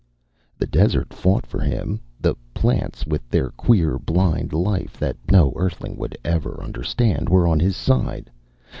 The desert fought for him; the plants with their queer blind life that no Earthling would ever understand were on his side.